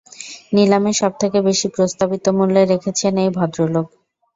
নিলামে সবথেকে বেশি প্রস্তাবিত মুল্যে রেখেছেন এই ভদ্রলোক।